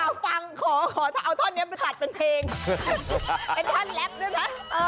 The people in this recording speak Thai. อย่าฟังเขาขอเอาท่อนี้มาตัดเป็นเพลงเป็นท่านแร็พด้วยนะ